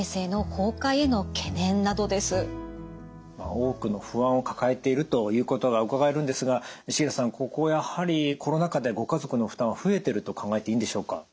多くの不安を抱えているということがうかがえるんですが繁田さんここはやはりコロナ禍でご家族の負担は増えてると考えていいんでしょうか？